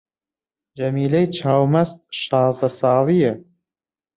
جەمیلەی چاو مەست شازدە ساڵی یە